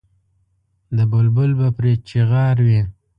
د بلبل به پرې چیغار وي.